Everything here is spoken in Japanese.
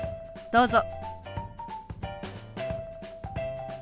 どうぞ。